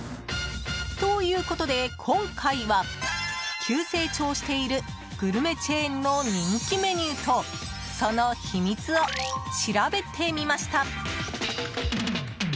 ということで今回は急成長しているグルメチェーンの人気メニューとその秘密を調べてみました。